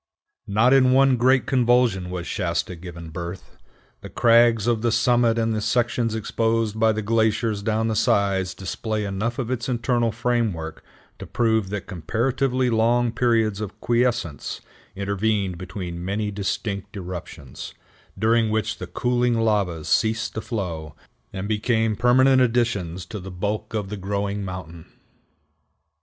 Not in one great convulsion was Shasta given birth. The crags of the summit and the sections exposed by the glaciers down the sides display enough of its internal framework to prove that comparatively long periods of quiescence intervened between many distinct eruptions, during which the cooling lavas ceased to flow, and became permanent additions to the bulk of the growing mountain.